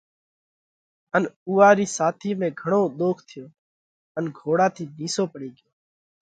ان اُوئا رِي ساتِي ۾ گھڻو ۮوک ٿيو ان گھوڙا ٿِي نِيسو پڙي ڳيو